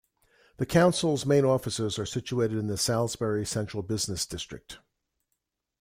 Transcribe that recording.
The council's main offices are situated in the Salisbury central business district.